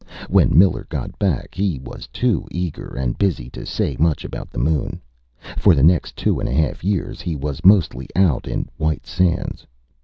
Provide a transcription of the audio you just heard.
When Miller got back, he was too eager and busy to say much about the moon. For the next two and a half years, he was mostly out in White Sands.